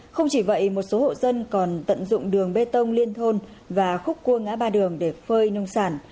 không chỉ vậy một số hộ dân còn tận dụng đường bê tông liên thôn và khúc cua ngã ba đường để phơi nông sản